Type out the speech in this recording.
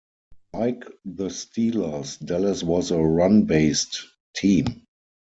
Like the Steelers, Dallas was a run-based team.